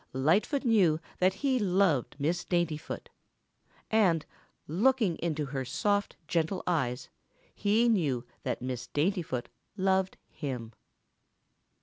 Lightfoot knew that he loved Miss Daintyfoot and, looking into her soft, gentle eyes, he knew that Miss Daintyfoot loved him.